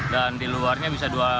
dan di luarnya bisa dua meter